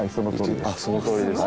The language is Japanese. そのとおりですか。